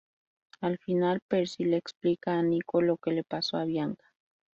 Al final, Percy le explica a Nico lo que le pasó a Bianca.